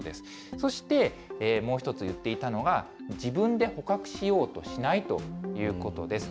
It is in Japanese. そして、もう一つ言っていたのが、自分で捕獲しようとしないということです。